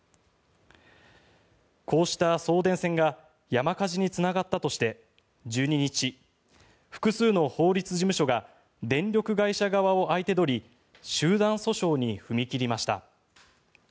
こうした送電線が山火事につながったとして１２日複数の法律事務所が電力会社側を相手取り集団訴訟に踏み切りました。